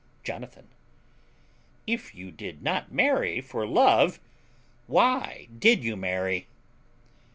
Jonathan. If you did not marry for love why did you marry?